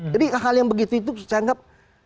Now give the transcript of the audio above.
jadi hal yang begitu itu saya anggap